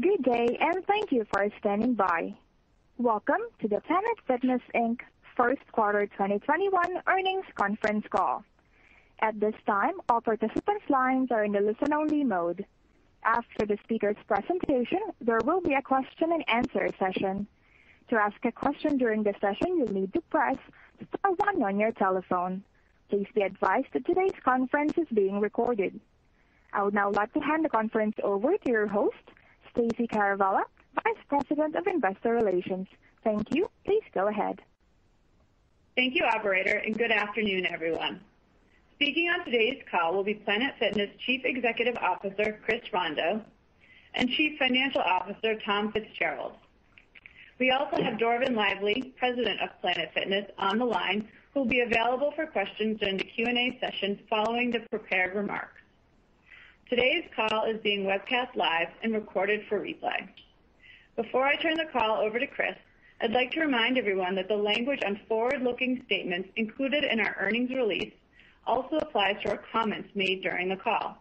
Good day and thank you for standing by. Welcome to the Planet Fitness, Inc. First Quarter 2021 Earnings Conference Call. At this time, all participants' lines are in the listen only mode. After the speakers' presentation, there will be a question and answer session. To ask a question during the session, you will need to press star one on your telephone. Please be advised that today's conference is being recorded. I would now like to hand the conference over to your host, Stacey Caravella, Vice President of Investor Relations. Thank you. Please go ahead. Thank you, operator, and good afternoon, everyone. Speaking on today's call will be Planet Fitness Chief Executive Officer, Chris Rondeau, and Chief Financial Officer, Tom Fitzgerald. We also have Dorvin Lively, President of Planet Fitness, on the line, who will be available for questions during the Q&A session following the prepared remarks. Today's call is being webcast live and recorded for replay. Before I turn the call over to Chris, I'd like to remind everyone that the language on forward-looking statements included in our earnings release also applies to our comments made during the call.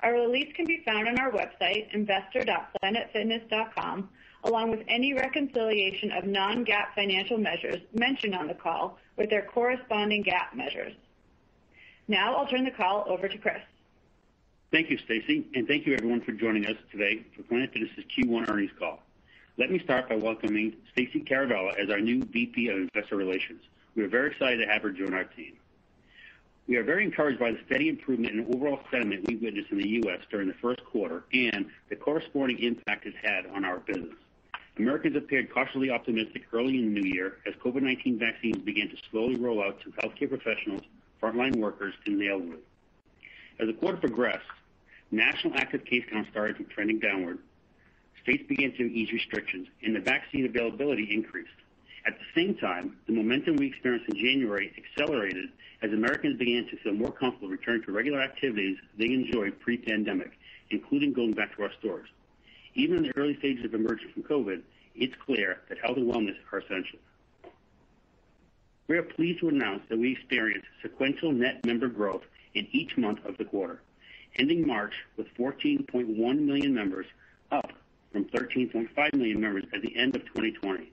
Our release can be found on our website, investor.planetfitness.com, along with any reconciliation of non-GAAP financial measures mentioned on the call with their corresponding GAAP measures. Now I'll turn the call over to Chris. Thank you, Stacey, and thank you everyone for joining us today for Planet Fitness' Q1 Earnings Call. Let me start by welcoming Stacey Caravella as our new VP of Investor Relations. We are very excited to have her join our team. We are very encouraged by the steady improvement in overall sentiment we witnessed in the U.S. during the first quarter and the corresponding impact it's had on our business. Americans appeared cautiously optimistic early in the new year as COVID-19 vaccines began to slowly roll out to healthcare professionals, frontline workers, and the elderly. As the quarter progressed, national active case counts started trending downward, states began to ease restrictions, and the vaccine availability increased. At the same time, the momentum we experienced in January accelerated as Americans began to feel more comfortable returning to regular activities they enjoyed pre-pandemic, including going back to our stores. Even in the early stages of emerging from COVID, it's clear that health and wellness are essential. We are pleased to announce that we experienced sequential net member growth in each month of the quarter, ending March with 14.1 million members, up from 13.5 million members at the end of 2020.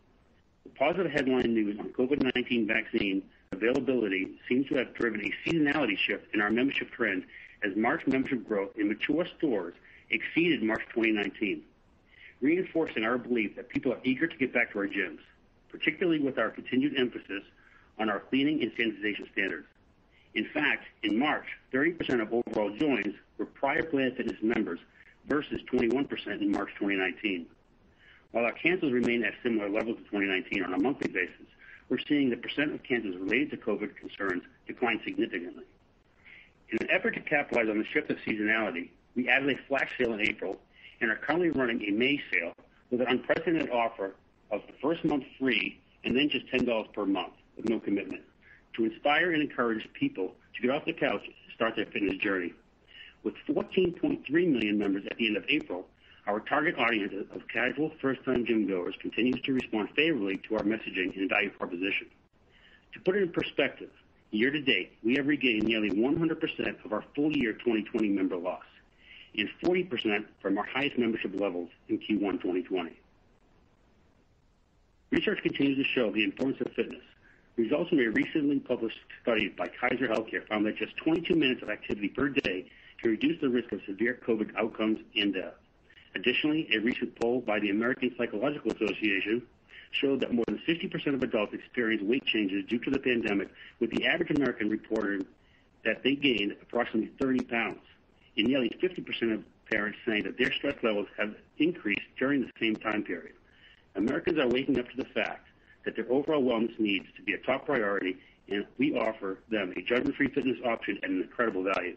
The positive headline news on COVID-19 vaccine availability seems to have driven a seasonality shift in our membership trends, as March membership growth in mature stores exceeded March 2019, reinforcing our belief that people are eager to get back to our gyms, particularly with our continued emphasis on our cleaning and sanitization standards. In fact, in March, 30% of overall joins were prior Planet Fitness members versus 21% in March 2019. While our cancels remain at similar levels to 2019 on a monthly basis, we're seeing the percent of cancels related to COVID-19 concerns decline significantly. In an effort to capitalize on the shift of seasonality, we added a flash sale in April, and are currently running a May sale with an unprecedented offer of the first month free and then just $10 per month with no commitment to inspire and encourage people to get off the couch and start their fitness journey. With 14.3 million members at the end of April, our target audience of casual first-time gym-goers continues to respond favorably to our messaging and value proposition. To put it in perspective, year-to-date, we have regained nearly 100% of our full-year 2020 member loss, and 40% from our highest membership levels in Q1 2020. Research continues to show the importance of fitness. Results of a recently published study by Kaiser Healthcare found that just 22 minutes of activity per day can reduce the risk of severe COVID outcomes and death. Additionally, a recent poll by the American Psychological Association showed that more than 50% of adults experienced weight changes due to the pandemic, with the average American reporting that they gained approximately 30 pounds, and nearly 50% of parents saying that their stress levels have increased during the same time period. Americans are waking up to the fact that their overall wellness needs to be a top priority, and we offer them a judgment-free fitness option at an incredible value,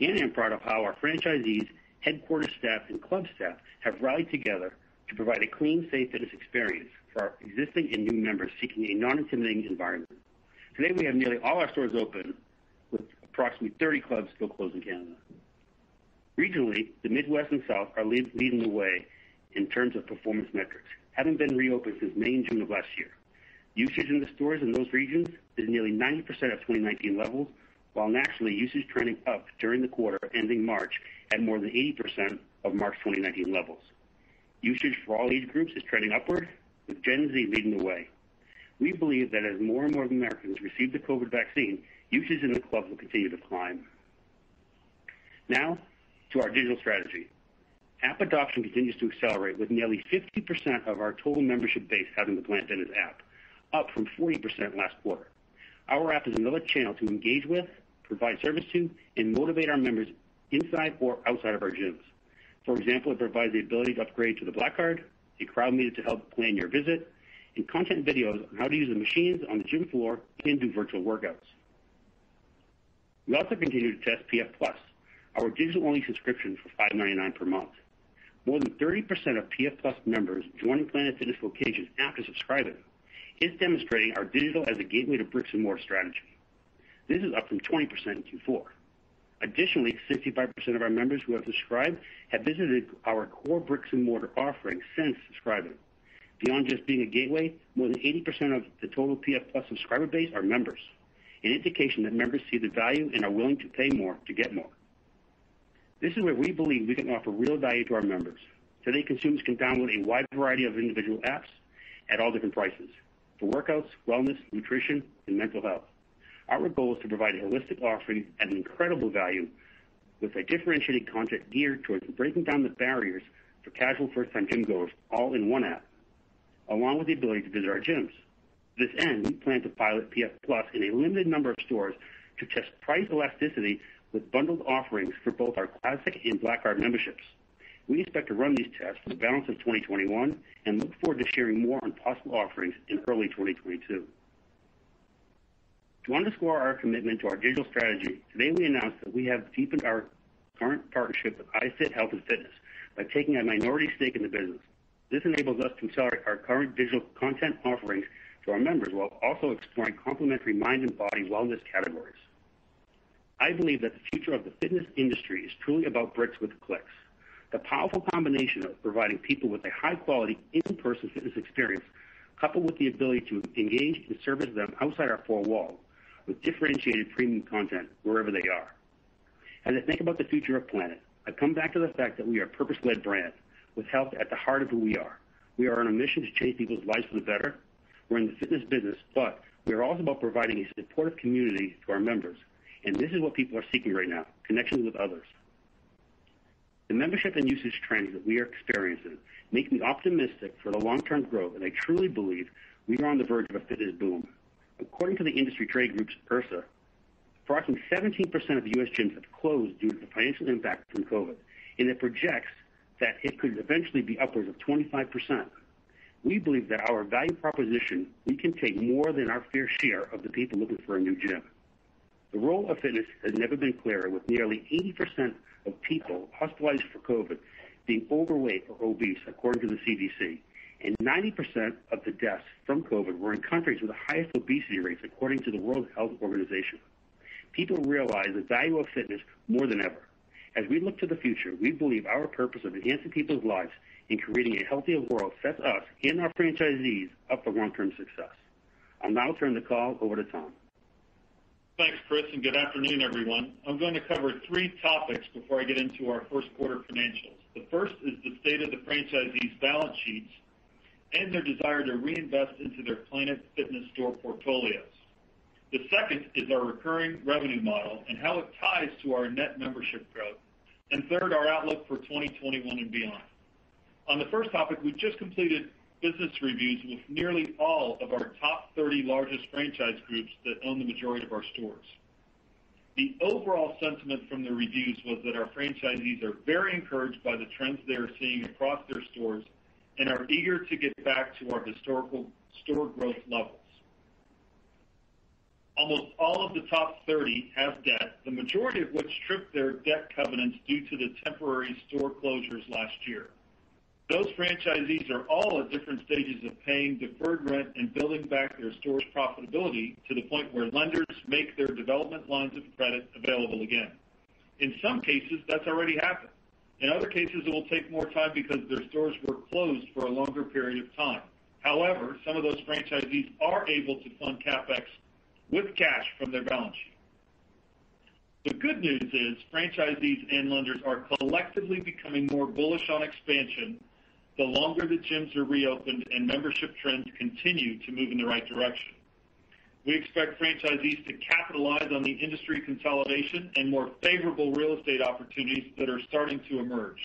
and I am proud of how our franchisees, headquarters staff, and club staff have rallied together to provide a clean, safe fitness experience for our existing and new members seeking a non-intimidating environment. Today, we have nearly all our stores open with approximately 30 clubs still closed in Canada. Regionally, the Midwest and South are leading the way in terms of performance metrics, having been reopened since May and June of last year. Usage in the stores in those regions is nearly 90% of 2019 levels, while nationally, usage trending up during the quarter ending March at more than 80% of March 2019 levels. Usage for all age groups is trending upward, with Gen Z leading the way. We believe that as more and more Americans receive the COVID vaccine, usage in the clubs will continue to climb. Now to our digital strategy. App adoption continues to accelerate with nearly 50% of our total membership base having the Planet Fitness app, up from 40% last quarter. Our app is another channel to engage with, provide service to, and motivate our members inside or outside of our gyms. For example, it provides the ability to upgrade to the Black Card, a crowd meter to help plan your visit, and content videos on how to use the machines on the gym floor and do virtual workouts. We also continue to test PF+, our digital-only subscription for $5.99 per month. More than 30% of PF+ members join Planet Fitness locations after subscribing. It's demonstrating our digital as a gateway to bricks and mortar strategy. This is up from 20% in Q4. Additionally, 65% of our members who have subscribed have visited our core bricks and mortar offering since subscribing. Beyond just being a gateway, more than 80% of the total PF+ subscriber base are members, an indication that members see the value and are willing to pay more to get more. This is where we believe we can offer real value to our members. Today, consumers can download a wide variety of individual apps at all different prices for workouts, wellness, nutrition, and mental health. Our goal is to provide a holistic offering at an incredible value with a differentiating content geared towards breaking down the barriers for casual first-time gym-goers all in one app, along with the ability to visit our gyms. To this end, we plan to pilot PF+ in a limited number of stores to test price elasticity with bundled offerings for both our classic and Black Card memberships. We expect to run these tests for the balance of 2021 and look forward to sharing more on possible offerings in early 2022. To underscore our commitment to our digital strategy, today we announced that we have deepened our current partnership with iFIT Health & Fitness by taking a minority stake in the business. This enables us to accelerate our current digital content offerings to our members while also exploring complementary mind and body wellness categories. I believe that the future of the fitness industry is truly about bricks with clicks. The powerful combination of providing people with a high-quality, in-person fitness experience, coupled with the ability to engage and service them outside our four walls with differentiated premium content wherever they are. As I think about the future of Planet, I come back to the fact that we are a purpose-led brand with health at the heart of who we are. We are on a mission to change people's lives for the better. We're in the fitness business, but we are also about providing a supportive community to our members, and this is what people are seeking right now, connections with others. The membership and usage trends that we are experiencing make me optimistic for the long-term growth and I truly believe we are on the verge of a fitness boom. According to the industry trade groups, IHRSA, approximately 17% of the U.S. gyms have closed due to the financial impact from COVID, and it projects that it could eventually be upwards of 25%. We believe that with our value proposition, we can take more than our fair share of the people looking for a new gym. The role of fitness has never been clearer, with nearly 80% of people hospitalized for COVID being overweight or obese, according to the CDC, and 90% of the deaths from COVID were in countries with the highest obesity rates, according to the World Health Organization. People realize the value of fitness more than ever. As we look to the future, we believe our purpose of enhancing people's lives and creating a healthier world sets us and our franchisees up for long-term success. I'll now turn the call over to Tom. Thanks, Chris, and good afternoon, everyone. I'm going to cover three topics before I get into our first quarter financials. The first is the state of the franchisees' balance sheets and their desire to reinvest into their Planet Fitness store portfolios. The second is our recurring revenue model and how it ties to our net membership growth, and third, our outlook for 2021 and beyond. On the first topic, we just completed business reviews with nearly all of our top 30 largest franchise groups that own the majority of our stores. The overall sentiment from the reviews was that our franchisees are very encouraged by the trends they are seeing across their stores and are eager to get back to our historical store growth levels. Almost all of the top 30 have debt, the majority of which tripped their debt covenants due to the temporary store closures last year. Those franchisees are all at different stages of paying deferred rent and building back their stores' profitability to the point where lenders make their development lines of credit available again. In some cases, that's already happened. In other cases, it will take more time because their stores were closed for a longer period of time. However, some of those franchisees are able to fund CapEx with cash from their balance sheet. The good news is franchisees and lenders are collectively becoming more bullish on expansion, the longer the gyms are reopened, and membership trends continue to move in the right direction. We expect franchisees to capitalize on the industry consolidation and more favorable real estate opportunities that are starting to emerge.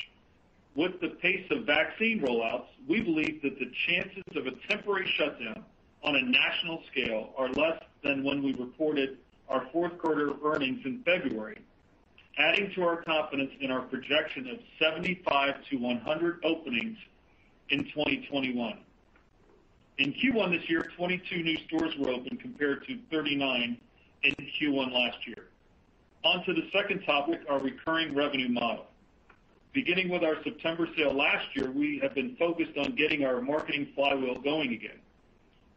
With the pace of vaccine rollouts, we believe that the chances of a temporary shutdown on a national scale are less than when we reported our fourth quarter earnings in February, adding to our confidence in our projection of 75 to 100 openings in 2021. In Q1 this year, 22 new stores were opened compared to 39 in Q1 last year. On to the second topic, our recurring revenue model. Beginning with our September sale last year, we have been focused on getting our marketing flywheel going again.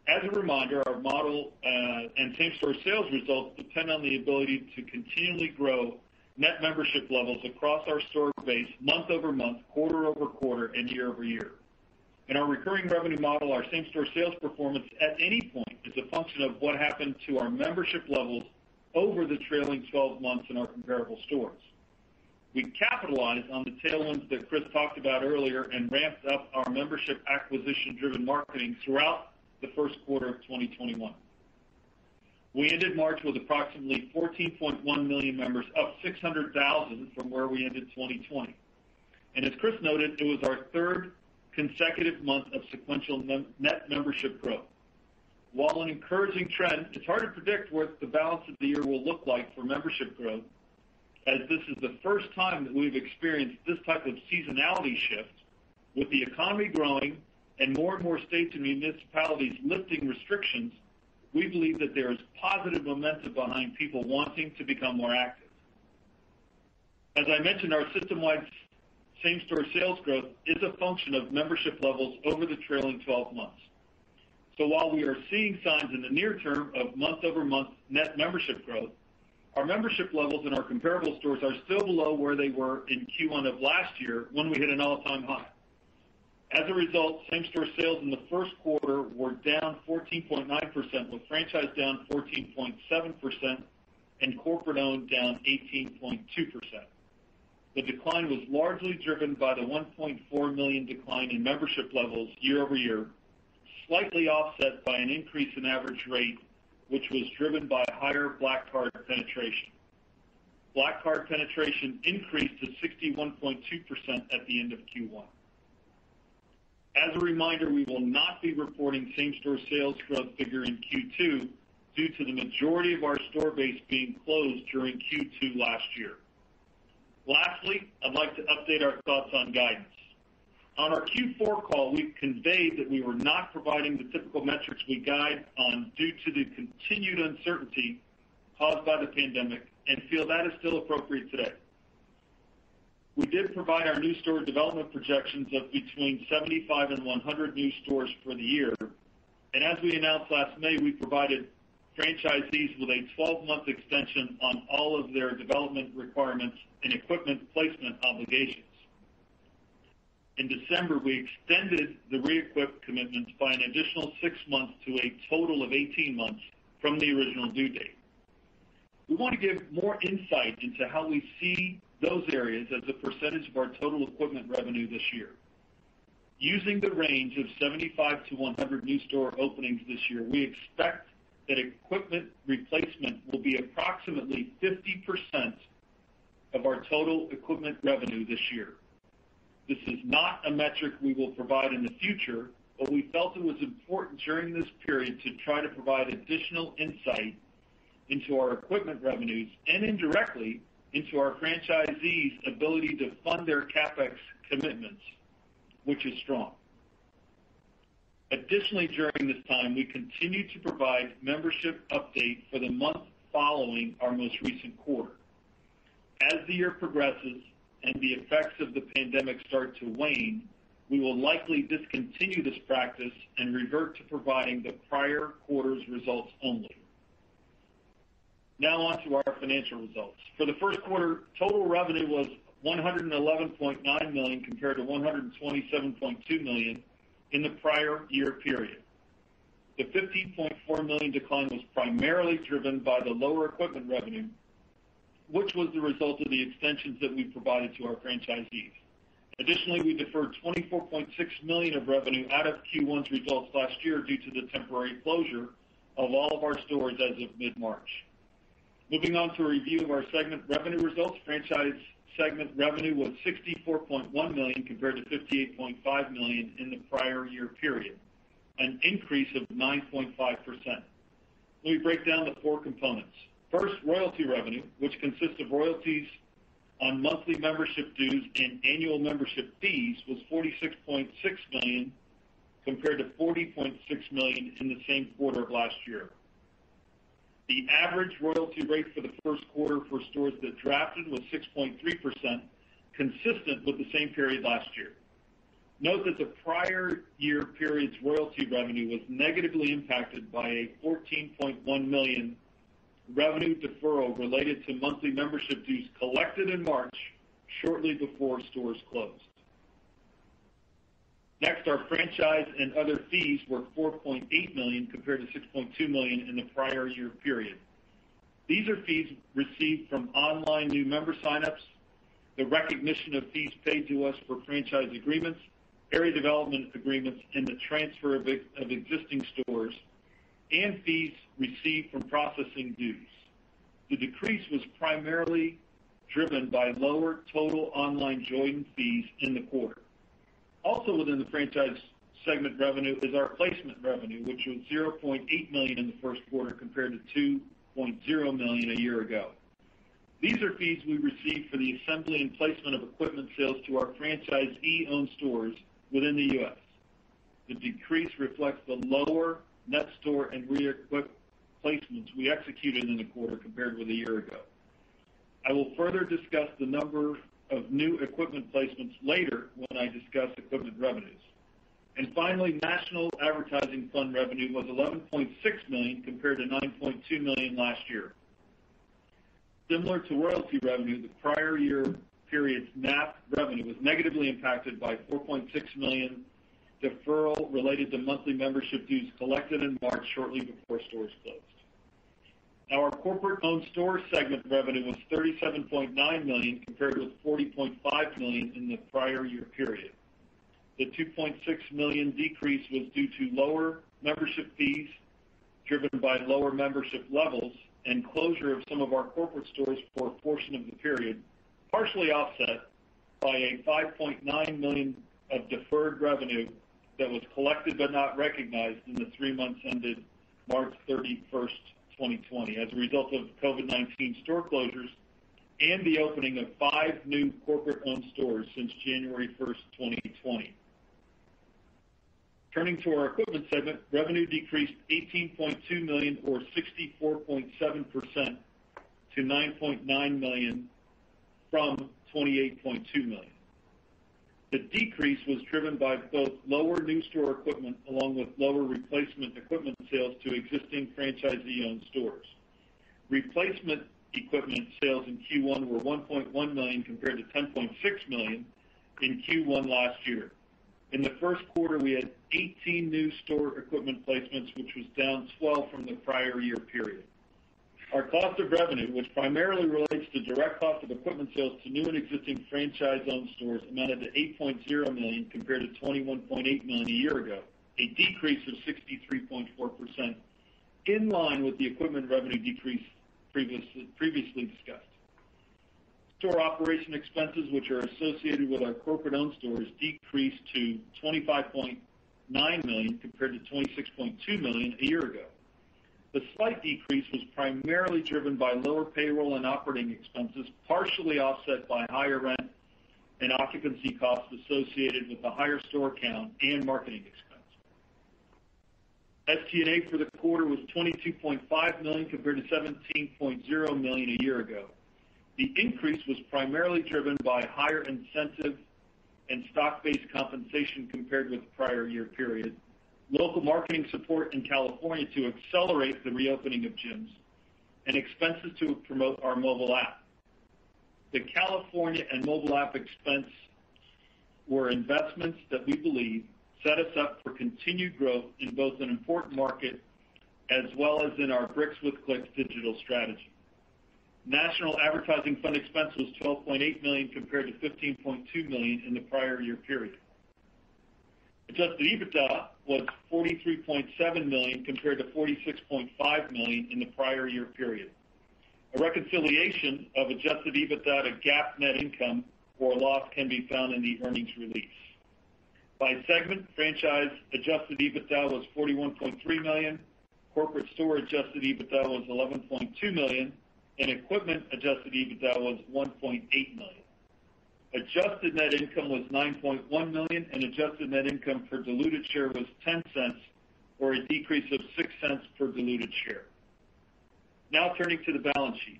As a reminder, our model and same-store sales results depend on the ability to continually grow net membership levels across our store base month-over-month, quarter-over-quarter, and year-over-year. In our recurring revenue model, our same-store sales performance at any point is a function of what happened to our membership levels over the trailing 12 months in our comparable stores. We capitalized on the tailwinds that Chris talked about earlier and ramped up our membership acquisition-driven marketing throughout the first quarter of 2021. We ended March with approximately 14.1 million members, up 600,000 from where we ended 2020. As Chris noted, it was our third consecutive month of sequential net membership growth. While an encouraging trend, it's hard to predict what the balance of the year will look like for membership growth, as this is the first time that we've experienced this type of seasonality shift. With the economy growing and more and more states and municipalities lifting restrictions, we believe that there is positive momentum behind people wanting to become more active. As I mentioned, our system-wide same-store sales growth is a function of membership levels over the trailing 12 months. While we are seeing signs in the near term of month-over-month net membership growth, our membership levels in our comparable stores are still below where they were in Q1 of last year when we hit an all-time high. As a result, same-store sales in the first quarter were down 14.9%, with franchise down 14.7% and corporate-owned down 18.2%. The decline was largely driven by the 1.4 million decline in membership levels year-over-year, slightly offset by an increase in average rate, which was driven by higher Black Card penetration. Black Card penetration increased to 61.2% at the end of Q1. As a reminder, we will not be reporting same-store sales growth figure in Q2 due to the majority of our store base being closed during Q2 last year. Lastly, I'd like to update our thoughts on guidance. On our Q4 call, we conveyed that we were not providing the typical metrics we guide on due to the continued uncertainty caused by the pandemic and feel that is still appropriate today. We did provide our new store development projections of between 75 and 100 new stores for the year, and as we announced last May, we provided franchisees with a 12-month extension on all of their development requirements and equipment placement obligations. In December, we extended the re-equip commitments by an additional six months to a total of 18 months from the original due date. We want to give more insight into how we see those areas as a % of our total equipment revenue this year. Using the range of 75 to 100 new store openings this year, we expect that equipment replacement will be approximately 50% of our total equipment revenue this year. This is not a metric we will provide in the future, but we felt it was important during this period to try to provide additional insight into our equipment revenues and indirectly into our franchisees' ability to fund their CapEx commitments, which is strong. Additionally, during this time, we continue to provide membership updates for the month following our most recent quarter. As the year progresses and the effects of the pandemic start to wane, we will likely discontinue this practice and revert to providing the prior quarter's results only. Now on to our financial results, for the first quarter, total revenue was $111.9 million compared to $127.2 million in the prior year period. The $15.4 million decline was primarily driven by the lower equipment revenue, which was the result of the extensions that we provided to our franchisees. Additionally, we deferred $24.6 million of revenue out of Q1's results last year due to the temporary closure of all of our stores as of mid-March. Moving on to a review of our segment revenue results, franchise segment revenue was $64.1 million compared to $58.5 million in the prior year period, an increase of 9.5%. Let me break down the four components. First, royalty revenue, which consists of royalties on monthly membership dues and annual membership fees, was $46.6 million, compared to $40.6 million in the same quarter of last year. The average royalty rate for the first quarter for stores that drafted was 6.3%, consistent with the same period last year. Note that the prior year period's royalty revenue was negatively impacted by a $14.1 million revenue deferral related to monthly membership dues collected in March, shortly before stores closed. Next, our franchise and other fees were $4.8 million compared to $6.2 million in the prior year period. These are fees received from online new member sign-ups, the recognition of fees paid to us for franchise agreements, area development agreements, and the transfer of existing stores, and fees received from processing dues. The decrease was primarily driven by lower total online join fees in the quarter. Within the franchise segment revenue is our placement revenue, which was $0.8 million in the first quarter compared to $2.0 million a year ago. These are fees we receive for the assembly and placement of equipment sales to our franchisee-owned stores within the U.S. The decrease reflects the lower net store and re-equip placements we executed in the quarter compared with a year ago. I will further discuss the number of new equipment placements later when I discuss equipment revenues. Finally, national advertising fund revenue was $11.6 million compared to $9.2 million last year. Similar to royalty revenue, the prior year period's NAF revenue was negatively impacted by $4.6 million deferral related to monthly membership dues collected in March shortly before stores closed. Our corporate-owned stores segment revenue was $37.9 million compared to a $40.5 million in the prior year period. The $2.6 million decrease was due to lower membership fees driven by lower membership levels, and closure of some of our corporate stores for a portion of the period, partially offset by a $5.9 million of deferred revenue that was collected but not recognized in the three months ended March 31st, 2020 as a result of COVID-19 store closures and the opening of five new corporate-owned stores since January 1st, 2020. To our equipment segment, revenue decreased $18.2 million or 64.7% to $9.9 million from $28.2 million. The decrease was driven by both lower new store equipment along with lower replacement equipment sales to existing franchisee-owned stores. Replacement equipment sales in Q1 were $1.1 million compared to $10.6 million in Q1 last year. In the first quarter, we had 18 new store equipment placements, which was down 12 from the prior year period. Our cost of revenue, which primarily relates to direct cost of equipment sales to new and existing franchise-owned stores, amounted to $8.0 million compared to $21.8 million a year ago, a decrease of 63.4%, in line with the equipment revenue decrease previously discussed. Store operation expenses, which are associated with our corporate-owned stores, decreased to $25.9 million compared to $26.2 million a year ago. The slight decrease was primarily driven by lower payroll and operating expenses, partially offset by higher rent and occupancy costs associated with the higher store count and marketing expense. SG&A for the quarter was $22.5 million compared to $17.0 million a year ago. The increase was primarily driven by higher incentive and stock-based compensation compared with the prior year period, local marketing support in California to accelerate the reopening of gyms, and expenses to promote our mobile app. The California and mobile app expense were investments that we believe set us up for continued growth in both an important market as well as in our bricks-with-clicks digital strategy. National Advertising Fund expense was $12.8 million compared to $15.2 million in the prior year period. Adjusted EBITDA was $43.7 million compared to $46.5 million in the prior year period. A reconciliation of adjusted EBITDA to GAAP net income or loss can be found in the earnings release. By segment, franchise adjusted EBITDA was $41.3 million, corporate store adjusted EBITDA was $11.2 million, and equipment adjusted EBITDA was $1.8 million. Adjusted net income was $9.1 million, and adjusted net income per diluted share was $0.10, or a decrease of $0.06 per diluted share. Now turning to the balance sheet.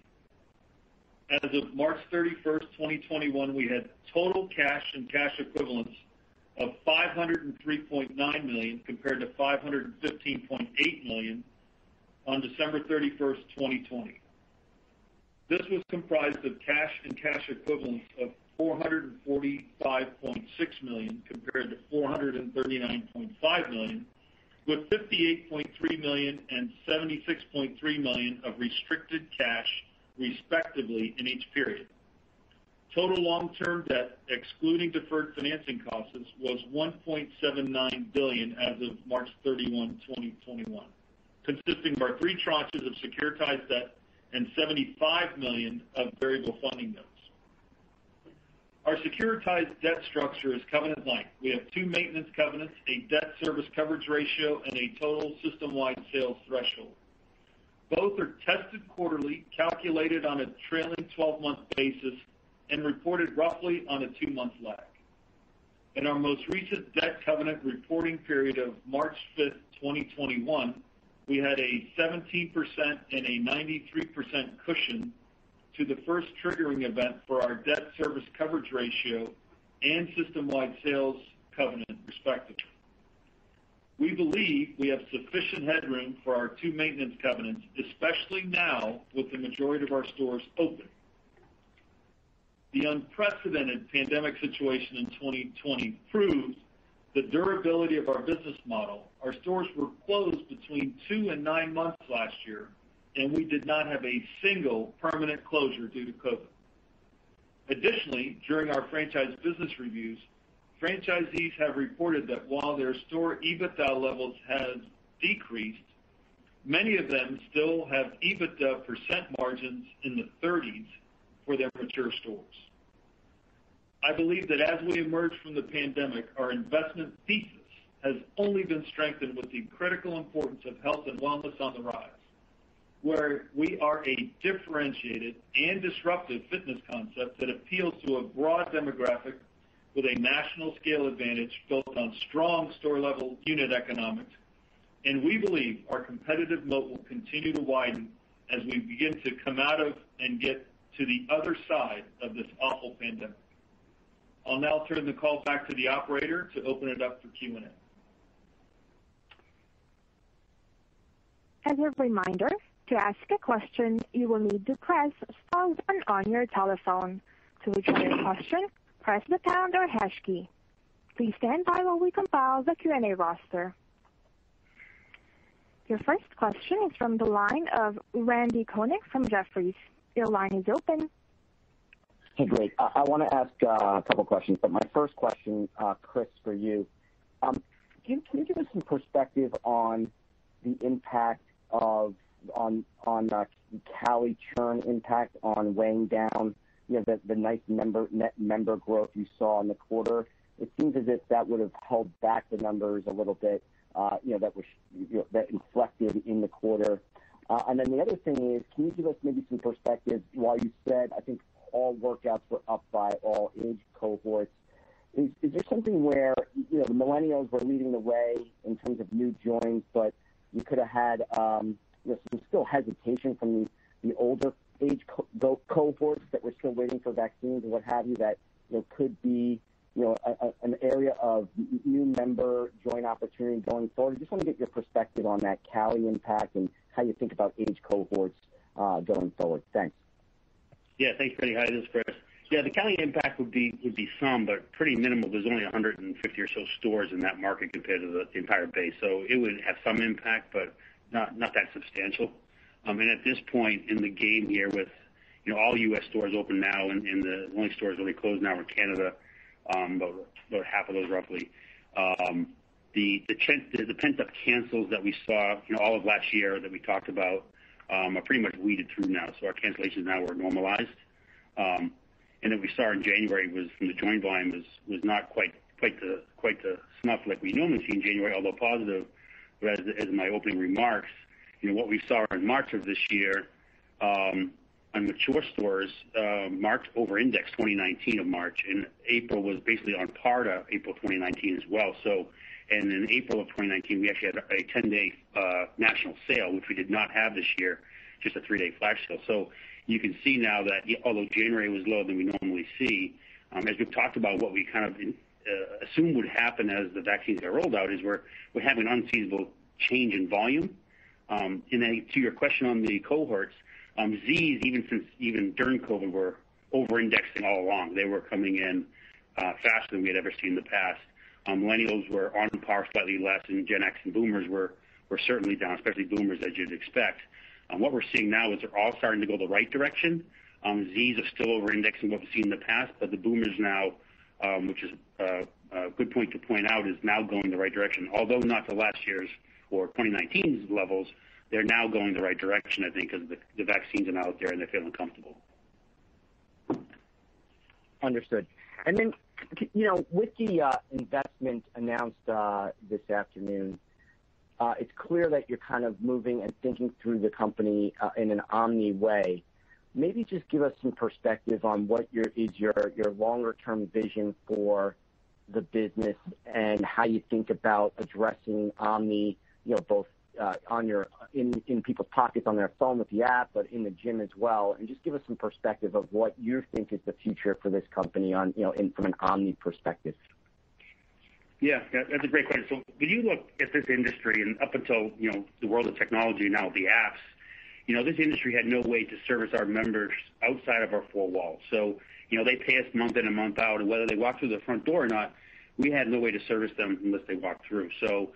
As of March 31st, 2021, we had total cash and cash equivalents of $503.9 million compared to $515.8 million on December 31st, 2020. This was comprised of cash and cash equivalents of $445.6 million compared to $439.5 million, with $58.3 million and $76.3 million of restricted cash, respectively, in each period. Total long-term debt, excluding deferred financing costs, was $1.79 billion as of March 31, 2021, consisting of our three tranches of securitized debt and $75 million of variable funding notes. Our securitized debt structure is covenant-lite. We have two maintenance covenants, a debt service coverage ratio, and a total system-wide sales threshold. Both are tested quarterly, calculated on a trailing 12-month basis, and reported roughly on a two-month lag. In our most recent debt covenant reporting period of March 5th, 2021, we had a 17% and a 93% cushion to the first triggering event for our debt service coverage ratio and system-wide sales covenant, respectively. We believe we have sufficient headroom for our two maintenance covenants, especially now with the majority of our stores open. The unprecedented pandemic situation in 2020 proves the durability of our business model. Our stores were closed between two months and nine months last year, and we did not have a single permanent closure due to COVID. Additionally, during our franchise business reviews, franchisees have reported that while their store EBITDA levels have decreased, many of them still have EBITDA percent margins in the 30s for their mature stores. I believe that as we emerge from the pandemic, our investment thesis has only been strengthened with the critical importance of health and wellness on the rise, where we are a differentiated and disruptive fitness concept that appeals to a broad demographic with a national scale advantage built on strong store-level unit economics, and we believe our competitive moat will continue to widen as we begin to come out of and get to the other side of this awful pandemic. I'll now turn the call back to the operator to open it up for Q&A. As a reminder, to ask a question, you will need to press star one on your telephone. To withdraw your question, press the pound or hash key. Please stand by while we compile the Q&A roster. Your first question is from the line of Randy Konik from Jefferies. Your line is open. Hey, great. I want to ask a couple questions, but my first question, Chris, for you. Can you give us some perspective on the impact on that Cali churn impact on weighing down the nice net member growth you saw in the quarter? It seems as if that would have held back the numbers a little bit, you know, that inflected in the quarter. The other thing is, can you give us maybe some perspective, while you said I think all workouts were up by all age cohorts? Is there something where the Millennials were leading the way in terms of new joins, but you could've had some still hesitation from the older age cohorts that were still waiting for vaccines or what have you, that, you know, could be an area of new member join opportunity going forward? I just want to get your perspective on that Cali impact and how you think about age cohorts going forward. Thanks. Yeah. Thanks, Randy. Hi, this is Chris. Yeah, the Cali impact would be some, but pretty minimal. There's only 150 or so stores in that market compared to the entire base. It would have some impact but not that substantial. At this point in the game here with all U.S. stores open now and the only stores really closed now are Canada, about half of those, roughly. The pent-up cancels that we saw all of last year that we talked about are pretty much weeded through now, so our cancellations now were normalized. Then we saw in January was from the join volume was not quite the stuff like we normally see in January, although positive. Whereas in my opening remarks, what we saw in March of this year, on mature stores marked over-index 2019 of March, and April was basically on par to April 2019 as well. In April of 2019, we actually had a 10-day national sale, which we did not have this year, just a three-day flash sale. You can see now that although January was lower than we normally see, as we've talked about what we kind of assumed would happen as the vaccines got rolled out is we're having unseasonable change in volume. To your question on the cohorts, Zs, even during COVID, were over-indexing all along. They were coming in faster than we had ever seen in the past. Millennials were on par, slightly less, and Gen X and boomers were certainly down, especially boomers as you'd expect. What we're seeing now is they're all starting to go the right direction. Zs are still over-indexing what we've seen in the past, but the boomers now, which is a good point to point out, is now going the right direction. Although not to last year's or 2019's levels, they're now going the right direction, I think, because the vaccines are now out there, and they're feeling comfortable. Understood and then, you know, with the investment announced this afternoon, it's clear that you're kind of moving and thinking through the company in an omni way. Maybe just give us some perspective on what is your longer-term vision for the business and how you think about addressing omni, both in people's pockets, on their phone with the app, but in the gym as well. Could you just give us some perspective of what you think is the future for this company from an omni perspective. Yeah, that's a great question. When you look at this industry and up until the world of technology, and now with the apps, this industry had no way to service our members outside of our four walls. They pay us month in and month out, and whether they walk through the front door or not, we had no way to service them unless they walked through, so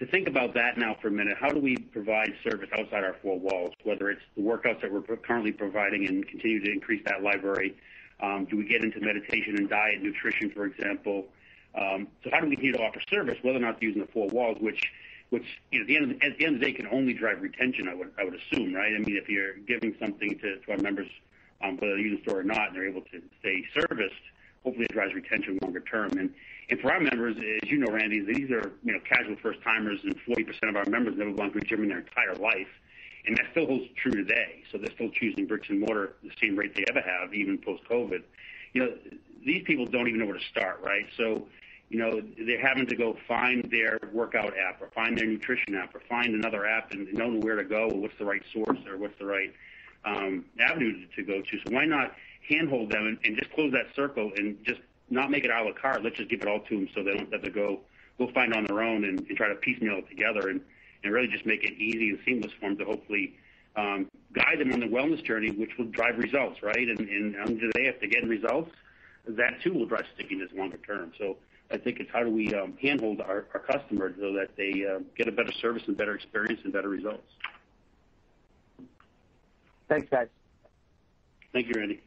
to think about that now for a minute. How do we provide service outside our four walls, whether it's the workouts that we're currently providing and continue to increase that library? Do we get into meditation and diet, nutrition, for example? How do we continue to offer service whether or not they're using the four walls, which, at the end of the day, can only drive retention, I would assume, right? If you're giving something to our members, whether they use the store or not, and they're able to stay serviced, hopefully it drives retention longer term. For our members, as you know, Randy, these are casual first-timers, and 40% of our members have never gone to a gym in their entire life, and that still holds true today. They're still choosing bricks and mortar the same rate they ever have, even post-COVID. These people don't even know where to start, right? They're having to go find their workout app or find their nutrition app or find another app, and they don't know where to go or what's the right source or what's the right avenue to go to. Why not handhold them and just close that circle and just not make it a la carte? Let's just give it all to them so they don't have to go find on their own and try to piecemeal it together, really just make it easy and seamless for them to hopefully guide them on their wellness journey, which will drive results, right? If they have to get results, that too will drive stickiness longer term. I think it's how do we handhold our customers so that they get a better service and better experience and better results. Thanks, guys. Thank you, Randy.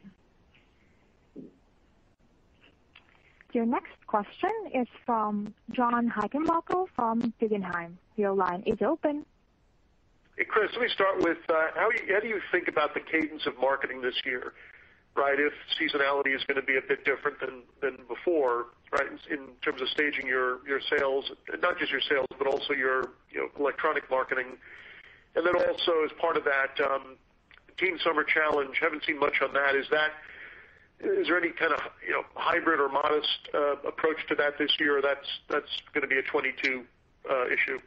Your next question is from John Heinbockel from Guggenheim. Your line is open. Hey, Chris, let me start with, how do you think about the cadence of marketing this year, right? If seasonality is going to be a bit different than before, right, in terms of staging your sales, not just your sales, but also your electronic marketing. Also, as part of that, Teen Summer Challenge, haven't seen much on that. Is there any kind of hybrid or modest approach to that this year, or that's going to be a 2022 issue?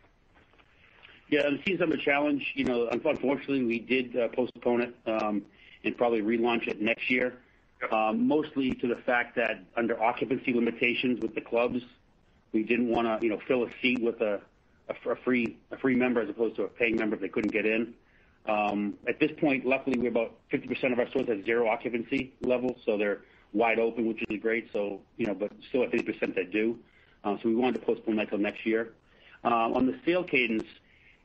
Yeah, the Teen Summer Challenge, you know, unfortunately, we did postpone it and probably relaunch it next year. Okay. Mostly to the fact that under occupancy limitations with the clubs, we didn't want to fill a seat with a free member as opposed to a paying member that couldn't get in. At this point, luckily, we have about 50% of our stores at zero occupancy levels, so they're wide open, which is great, but still have 50% that do. We wanted to postpone that until next year. On the sale cadence,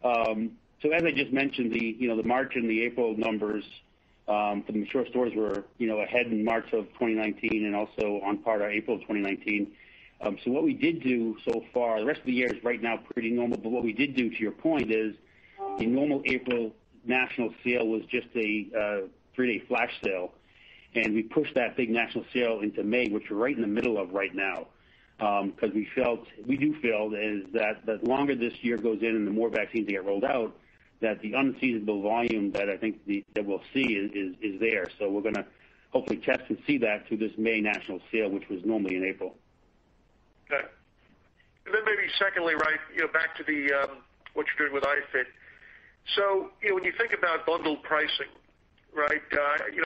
so as I just mentioned, the March and the April numbers for the mature stores were ahead in March of 2019 and also on par to April 2019. What we did do so far, the rest of the year is right now pretty normal, but what we did do, to your point, is the normal April national sale was just a three-day flash sale, and we pushed that big national sale into May, which we're right in the middle of right now. We do feel is that the longer this year goes in and the more vaccines that get rolled out, that the unseasonable volume that I think that we'll see is there. We're going to hopefully test and see that through this May national sale, which was normally in April. Okay, and then maybe secondly, right, you know, back to what you're doing with iFIT. When you think about bundled pricing, right?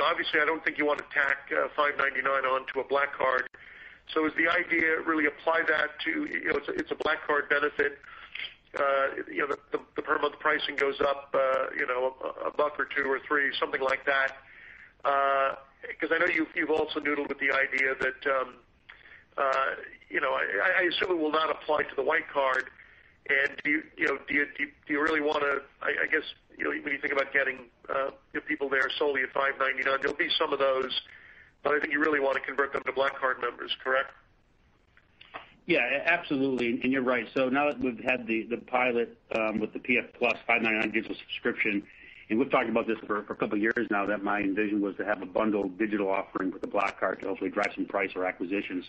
Obviously, I don't think you want to tack $5.99 onto a Black Card. Is the idea really apply that to, it's a Black Card benefit, you know, the per month pricing goes up, a buck or two or three, something like that because I know you've also noodled with the idea that, I assume it will not apply to the White Card. Do you really want to, I guess, when you think about getting people there solely at $5.99, there'll be some of those, but I think you really want to convert them to Black Card members, correct? Yeah, absolutely, and you're right. Now that we've had the pilot with the PF+, $5.99 gets a subscription, and we've talked about this for a couple of years now, that my envision was to have a bundled digital offering with the Black Card to hopefully drive some price or acquisition.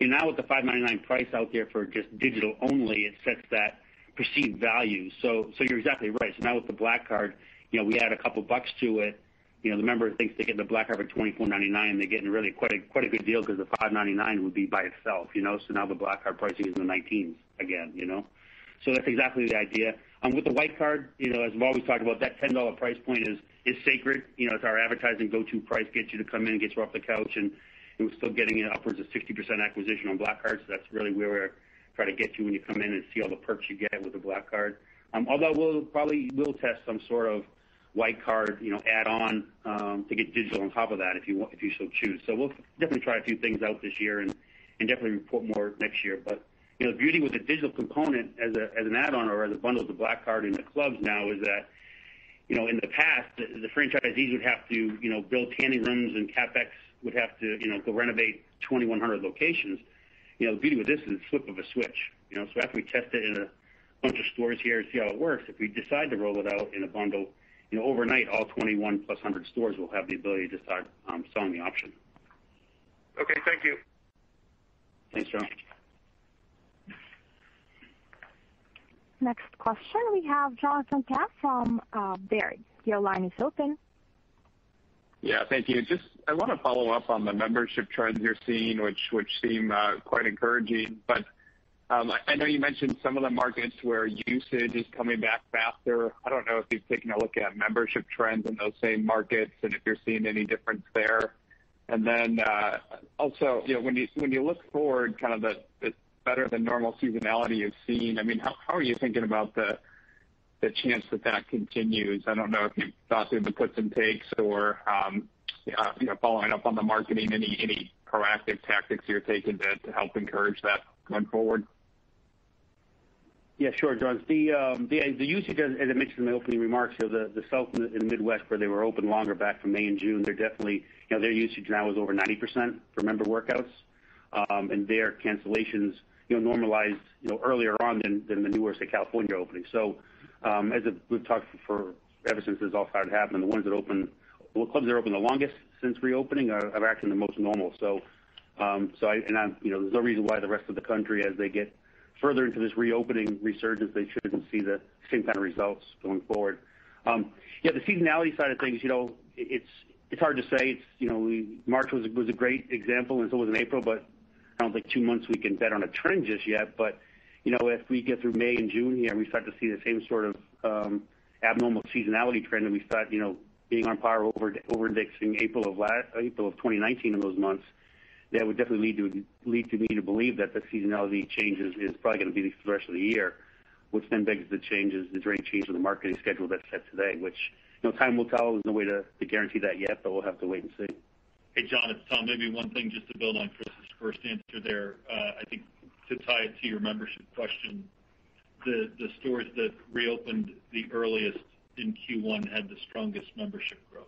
Now with the $5.99 price out there for just digital only, it sets that perceived value. You're exactly right. Now with the Black Card, we add a couple of bucks to it. The member thinks they get the Black Card for $24.99. They're getting really quite a good deal because the $5.99 would be by itself. Now the Black Card pricing is in the 19s again. That's exactly the idea. With the White Card, as we've always talked about, that $10 price point is sacred. It's our advertising go-to price, gets you to come in, and gets you off the couch, and we're still getting upwards of 60% acquisition on Black Cards. That's really where we're trying to get you when you come in and see all the perks you get with the Black Card. Although, we'll probably test some sort of White Card, you know, add-on to get digital on top of that if you so choose. We'll definitely try a few things out this year and definitely report more next year. The beauty with the digital component as an add-on or as a bundle with the Black Card in the clubs now, is that, in the past, the franchisees would have to build tanning rooms and CapEx would have to go renovate 2,100 locations. The beauty with this is the flip of a switch. After we test it in a bunch of stores here and see how it works, if we decide to roll it out in a bundle, overnight, all 2,100-plus stores will have the ability to start selling the option. Okay. Thank you. Thanks, John. The next question, we have Jonathan Komp from Baird. Your line is open. Yeah, thank you, and just, I want to follow up on the membership trends you're seeing, which seem quite encouraging, but I know you mentioned some of the markets where usage is coming back faster. I don't know if you've taken a look at membership trends in those same markets and if you're seeing any difference there. Also, when you look forward, kind of the better than normal seasonality you've seen, how are you thinking about the chance that that continues? I don't know if you've thought through the puts and takes or following up on the marketing, any proactive tactics you're taking to help encourage that going forward? Yeah, sure, John. The usage, as I mentioned in my opening remarks, so the South and Midwest, where they were open longer back from May and June, their usage now is over 90% for member workouts, and their cancellations normalized earlier on than the newer, say, California opening. As we've talked ever since this all started happening, the clubs that are open the longest since reopening are acting the most normal. There's no reason why the rest of the country, as they get further into this reopening resurgence, they shouldn't see the same kind of results going forward. Yeah, the seasonality side of things, you know, it's hard to say. March was a great example, and so was in April, but I don't think two months we can bet on a trend just yet. If we get through May and June, and we start to see the same sort of abnormal seasonality trend that we saw being on par over-indexing April of 2019 in those months, that would definitely lead me to believe that the seasonality changes is probably going to be for the rest of the year, which then begs the changes, the dramatic change of the marketing schedule that's set today, which time will tell. There's no way to guarantee that yet so we'll have to wait and see. Hey, John, it's Tom. Maybe one thing just to build on Chris's first answer there. I think to tie it to your membership question, the stores that reopened the earliest in Q1 had the strongest membership growth,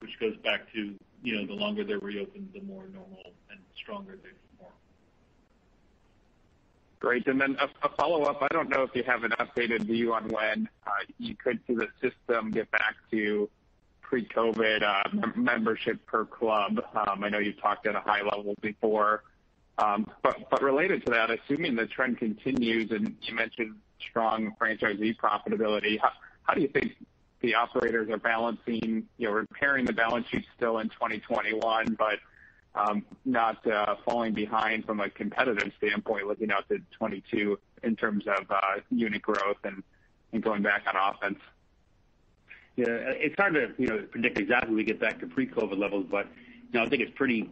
which goes back to, you know, the longer they're reopened, the more normal and stronger they perform. Great. Then a follow-up. I don't know if you have an updated view on when you could see the system get back to pre-COVID membership per club. I know you've talked at a high level before, but related to that, assuming the trend continues, and you mentioned strong franchisee profitability, how do you think the operators are balancing repairing the balance sheet still in 2021, but not falling behind from a competitive standpoint looking out to 2022 in terms of unit growth, and going back on offense? Yeah. It's hard to predict exactly when we get back to pre-COVID levels, but I think it's pretty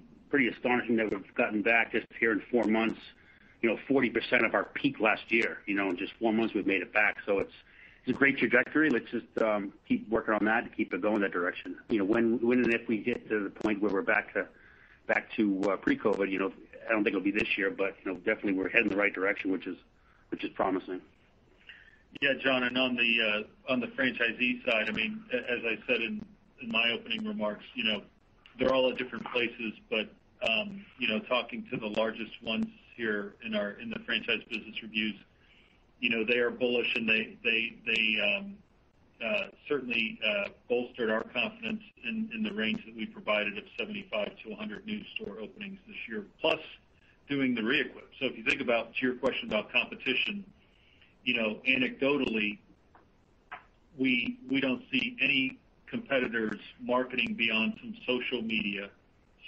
astonishing that we've gotten back just here in four months, you know, 40% of our peak last year. In just four months, we've made it back. It's a great trajectory. Let's just keep working on that and keep it going that direction. When and if we get to the point where we're back to pre-COVID, you know, I don't think it'll be this year, but definitely we're heading the right direction, which is promising. Yeah, John. On the franchisee side, as I said in my opening remarks, you know, they're all at different places, talking to the largest ones here in the franchise business reviews, they are bullish, they certainly bolstered our confidence in the range that we provided of 75 to 100 new store openings this year, plus doing the re-equip. If you think about, to your question about competition, you know, anecdotally, we don't see any competitors marketing beyond some social media.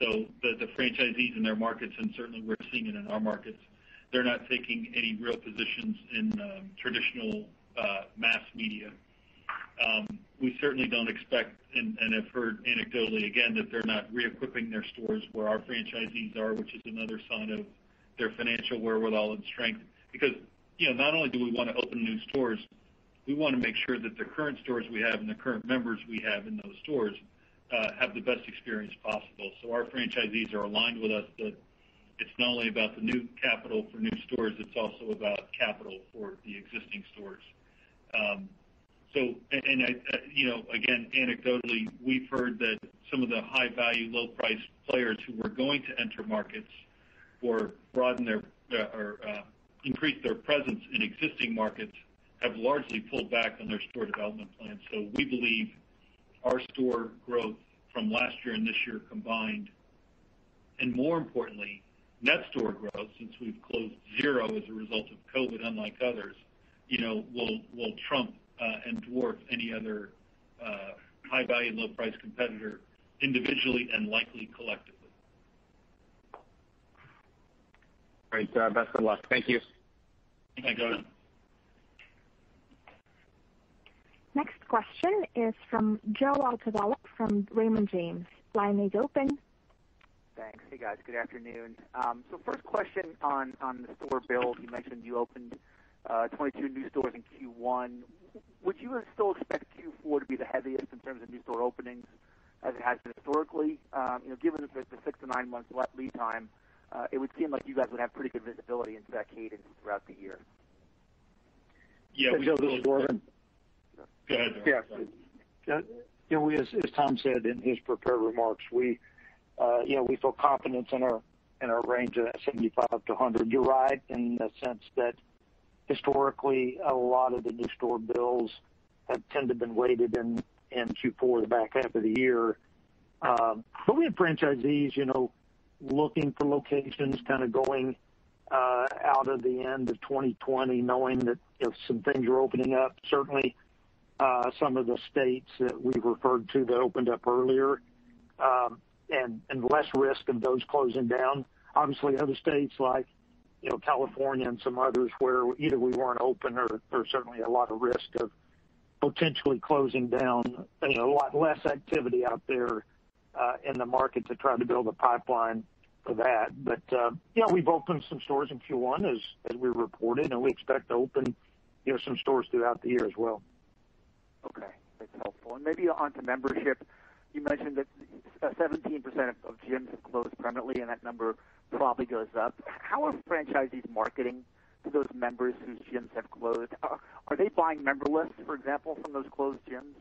The franchisees in their markets, and certainly we're seeing it in our markets, they're not taking any real positions in traditional mass media. We certainly don't expect and have heard anecdotally again, that they're not re-equipping their stores where our franchisees are, which is another sign of their financial wherewithal and strength, because not only do we want to open new stores, we want to make sure that the current stores we have and the current members we have in those stores have the best experience possible. Our franchisees are aligned with us that it's not only about the new capital for new stores, it's also about capital for the existing stores. Anecdotally, we've heard that some of the high-value, low-price players who were going to enter markets or increase their presence in existing markets have largely pulled back on their store development plans. We believe our store growth from last year and this year combined, and more importantly, net store growth since we've closed zero as a result of COVID, unlike others, you know, will trump and dwarf any other high-value, low-price competitor individually and likely collectively. Great, best of luck. Thank you. Thanks, Jonathan. Next question is from Joseph Altobello from Raymond James. Line is open. Thanks. Hey, guys. Good afternoon. First question on the store build. You mentioned you opened 22 new stores in Q1. Would you still expect Q4 to be the heaviest in terms of new store openings as it has been historically? You know, given the six to nine months lead time, it would seem like you guys would have pretty good visibility into that cadence throughout the year. Yeah. Go ahead, Dorvin. Okay. As Tom said in his prepared remarks, we, you know, we feel confidence in our range of that 75 to 100. You're right in the sense that historically, a lot of the new store builds have tended been weighted in Q4, the back half of the year. We have franchisees, you know, looking for locations, kind of going out of the end of 2020, knowing that some things were opening up. Certainly, some of the states that we referred to that opened up earlier and less risk of those closing down. Obviously, other states like, you know, California and some others where either we weren't open or there's certainly a lot of risk of potentially closing down, a lot less activity out there in the market to try to build a pipeline for that. We've opened some stores in Q1, as we reported, and we expect to open some stores throughout the year as well. Okay, that's helpful, and maybe onto membership. You mentioned that 17% of gyms have closed permanently, and that number probably goes up. How are franchisees marketing to those members whose gyms have closed? Are they buying member lists, for example, from those closed gyms?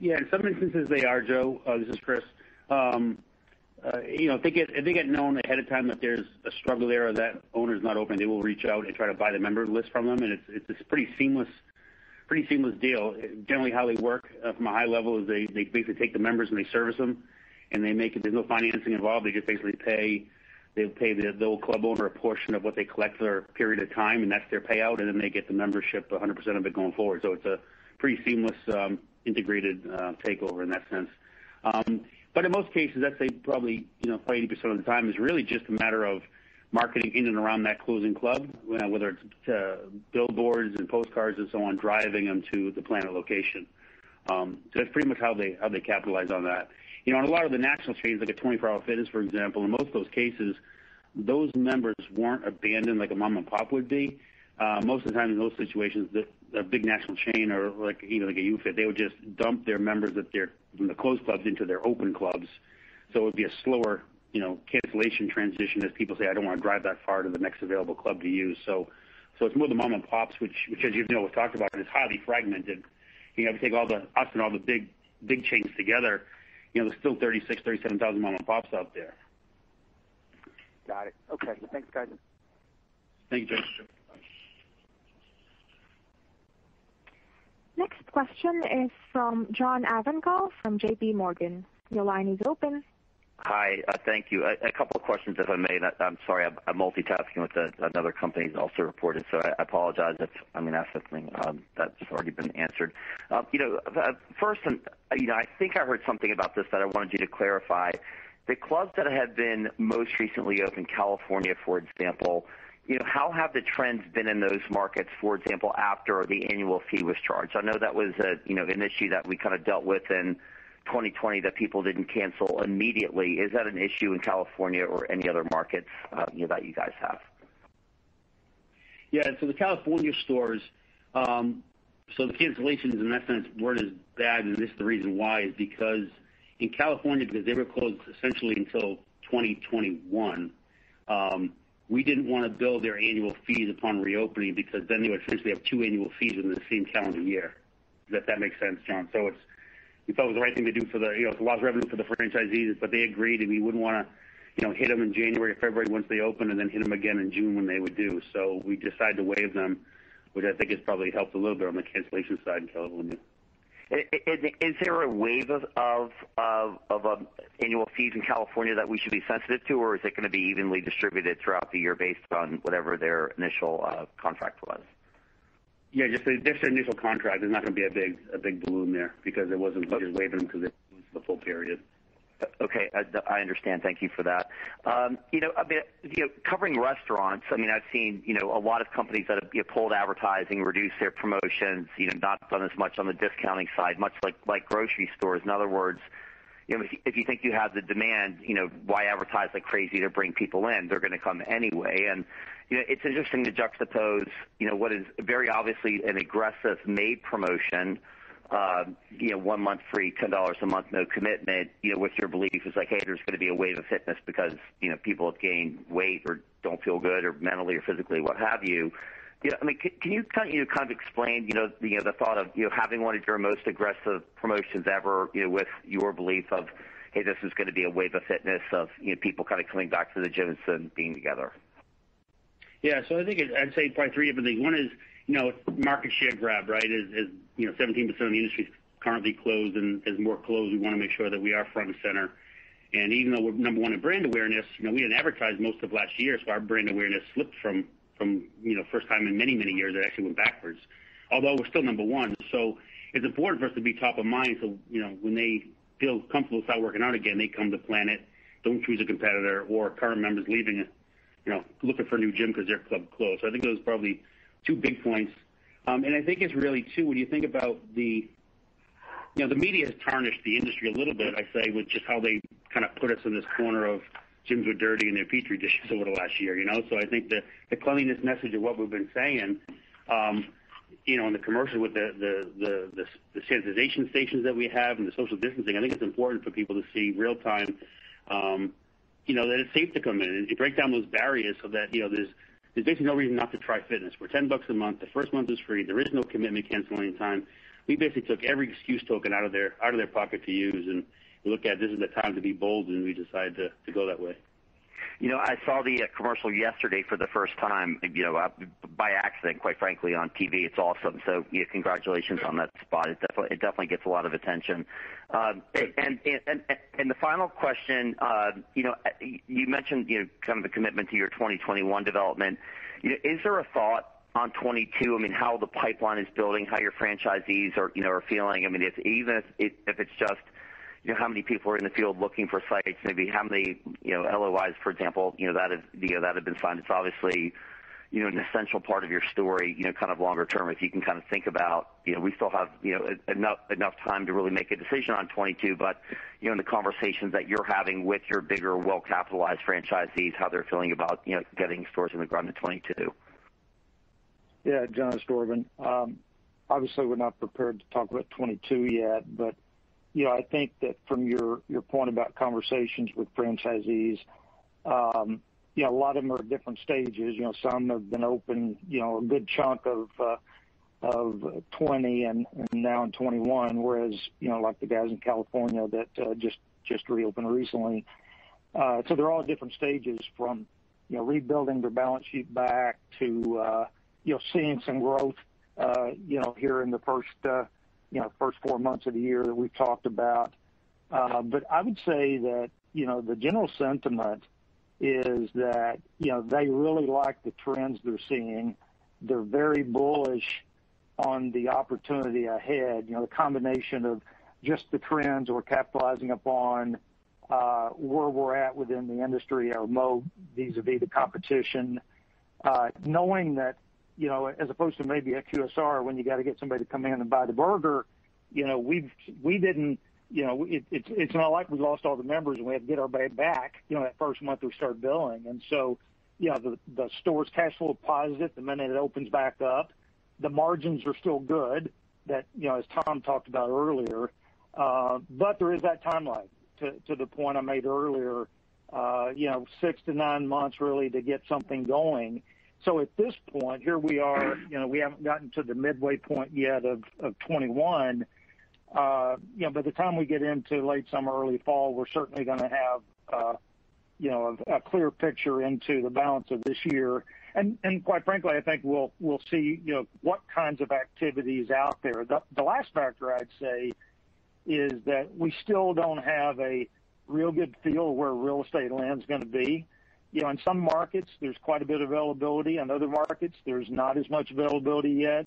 Yeah. In some instances, they are, Joe. This is Chris. If they get known ahead of time that there's a struggle there or that owner's not open, they will reach out and try to buy the member list from them, and it's a pretty seamless deal. Generally, how they work from a high level is they basically take the members and they service them, and there's no financing involved. They just basically pay the old club owner a portion of what they collect for a period of time, and that's their payout, and then they get the membership, 100% of it going forward. It's a pretty seamless, integrated takeover in that sense. In most cases, I'd say probably 80% of the time, it's really just a matter of marketing in and around that closing club, whether it's billboards and postcards and so on, driving them to the Planet location. That's pretty much how they capitalize on that. You know, a lot of the national chains, like a 24 Hour Fitness, for example, in most of those cases, those members weren't abandoned like a mom and pop would be. Most of the time in those situations, a big national chain or even like a YouFit, they would just dump their members from the closed clubs into their open clubs. It would be a slower cancellation transition as people say, "I don't want to drive that far to the next available club to use." It's more the mom and pops, which as you know, we've talked about, is highly fragmented. If you take us and all the big chains together, there's still 36,000, 37,000 mom and pops out there. Got it, okay. Thanks, guys. Thanks Joseph. Next question is from John Ivankoe from JPMorgan Chase. Your line is open. Hi. Thank you. A couple of questions, if I may. I'm sorry, I'm multitasking with another company that also reported, so I apologize if I'm going to ask something that's already been answered. First, and, you know, I think I heard something about this that I wanted you to clarify. The clubs that had been most recently open, California, for example, how have the trends been in those markets, for example, after the annual fee was charged? I know that was an issue that we kind of dealt with in 2020 that people didn't cancel immediately. Is that an issue in California or any other markets, you know, that you guys have? Yeah. The California stores, so the cancellations in that sense weren't as bad, and this is the reason why, is because in California, because they were closed essentially until 2021, we didn't want to bill their annual fees upon reopening, because then they would essentially have two annual fees in the same calendar year. Does that make sense, John? We thought it was the right thing to do. It was a lot of revenue for the franchisees, but they agreed, and we wouldn't want to hit them in January or February once they opened and then hit them again in June when they were due. We decided to waive them, which I think has probably helped a little bit on the cancellation side in California. Is there a wave of annual fees in California that we should be sensitive to or is it going to be evenly distributed throughout the year based on whatever their initial contract was? Yeah, just their initial contract. There's not going to be a big balloon there because there wasn't much of a wave because it was the full period. Okay, I understand. Thank you for that. You know, covering restaurants, I've seen a lot of companies that have pulled advertising, reduced their promotions, not done as much on the discounting side, much like grocery stores. In other words, if you think you have the demand, why advertise like crazy to bring people in? They're going to come anyway. It's interesting to juxtapose what is very obviously an aggressive May promotion, you know, one month free, $10 a month, no commitment, with your belief is like, "Hey, there's going to be a wave of fitness because people have gained weight or don't feel good or mentally or physically," what have you. Can you kind of explain the thought of having one of your most aggressive promotions ever with your belief of, "Hey, this is going to be a wave of fitness," of people kind of coming back to the gyms and being together? Yeah. I think I'd say probably three different things. One is market share grab, right? As 17% of the industry's currently closed, and as more close, we want to make sure that we are front and center. Even though we're number one in brand awareness, we didn't advertise most of last year, so our brand awareness slipped from, you know, first time in many, many years. It actually went backwards. Although we're still number one. It's important for us to be top of mind so when they feel comfortable to start working out again, they come to Planet, don't choose a competitor or current members leaving, looking for a new gym because their club closed. I think those are probably two big points. I think it's really, too, when you think about the media has tarnished the industry a little bit, I say, with just how they kind of put us in this corner of gyms are dirty and they're petri dishes over the last year. I think the cleanliness message of what we've been saying, in the commercial with the sanitization stations that we have and the social distancing, I think it's important for people to see real time, you know, that it's safe to come in. It break down those barriers so that there's basically no reason not to try fitness for $10 a month. The first month is free. There is no commitment, cancel any time. We basically took every excuse token out of their pocket to use, and we looked at it, this is the time to be bold, and we decided to go that way. You know, I saw the commercial yesterday for the first time by accident, quite frankly, on TV. It's awesome. Congratulations on that spot. It definitely gets a lot of attention, and the final question. You know, you mentioned kind of the commitment to your 2021 development. Is there a thought on 2022? How the pipeline is building, how your franchisees are feeling. Even if it's just how many people are in the field looking for sites, maybe how many LOIs, for example, that have been signed? It's obviously an essential part of your story, kind of longer term, if you can kind of think about, you know, we still have enough time to really make a decision on 2022. In the conversations that you're having with your bigger, well-capitalized franchisees, how they're feeling about getting stores on the ground in 2022. Yeah. John, it's Dorvin. Obviously, we're not prepared to talk about 2022 yet, but, you know, I think that from your point about conversations with franchisees, you know, a lot of them are at different stages. Some have been open a good chunk of 2020 and now in 2021, whereas like the guys in California that just reopened recently. They're all at different stages from rebuilding their balance sheet back to seeing some growth here in the first four months of the year that we've talked about. I would say that the general sentiment is that they really like the trends they're seeing. They're very bullish on the opportunity ahead. The combination of just the trends we're capitalizing upon, where we're at within the industry or vis-à-vis the competition, knowing that, you know, as opposed to maybe a QSR, when you got to get somebody to come in and buy the burger. It's not like we lost all the members, and we had to get everybody back that first month we started billing. The store is cash flow positive the minute it opens back up. The margins are still good, as Tom talked about earlier. There is that timeline to the point I made earlier, six to nine months, really, to get something going. At this point, here we are. We haven't gotten to the midway point yet of 2021. By the time we get into late summer, early fall, we're certainly going to have a clear picture into the balance of this year, and quite frankly, I think we'll see what kinds of activity is out there. The last factor I'd say is that we still don't have a real good feel where real estate land is going to be. You know, in some markets, there's quite a bit of availability. In other markets, there's not as much availability yet.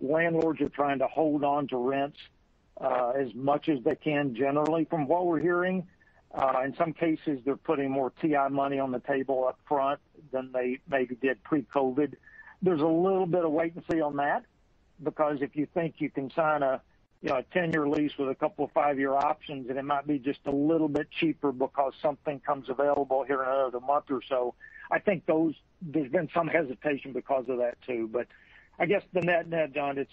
Landlords are trying to hold on to rents as much as they can, generally, from what we're hearing. In some cases, they're putting more TI money on the table up front than they maybe did pre-COVID. There's a little bit of wait and see on that, because if you think you can sign a 10-year lease with a couple of five-year options, and it might be just a little bit cheaper because something comes available here another month or so. I think there's been some hesitation because of that, too. I guess the net, John, it's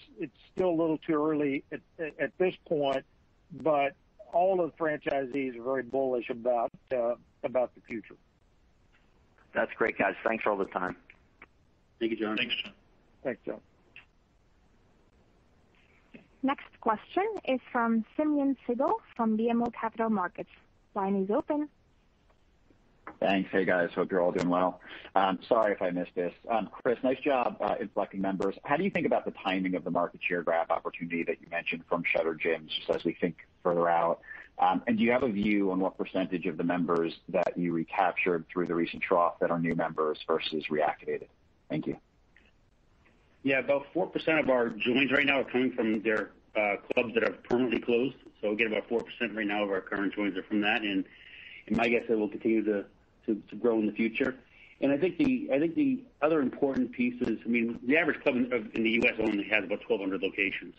still a little too early at this point, but all of the franchisees are very bullish about the future. That's great, guys. Thanks for all the time. Thank you, John. Thanks, John. Thanks, John. Next question is from Simeon Siegel from BMO Capital Markets. Your line is open. Thanks. Hey guys, hope you're all doing well. Sorry if I missed this. Chris, nice job inflecting members. How do you think about the timing of the market share grab opportunity that you mentioned from shuttered gyms just as we think further out? Do you have a view on what percentage of the members that you recaptured through the recent trough that are new members versus reactivated? Thank you. Yeah, about 4% of our joins right now are coming from their clubs that are permanently closed. again, about 4% right now of our current joins are from that, and my guess it will continue to grow in the future. I think the other important piece is, the average club in the U.S. only has about 1,200 locations.